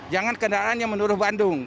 jangan kendaraan yang menurun bandung